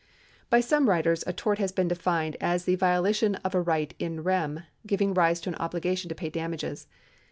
By some writers a tort has been defined as the violation of a right in rem, giving rise to an obligation to pay damages.